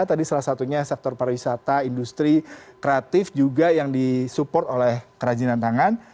tadi salah satunya sektor pariwisata industri kreatif juga yang disupport oleh kerajinan tangan